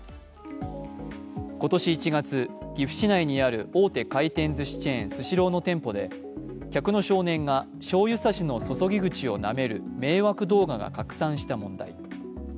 今年１月、岐阜市内にある大手回転ずしチェーン、スシローの店舗で客の少年がしょうゆ差しの注ぎ口をなめる迷惑動画が拡散した問題。